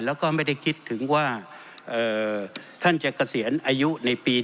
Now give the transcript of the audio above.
แล้วก็ไม่ได้คิดถึงว่าท่านจะเกษียณอายุในปี๒๕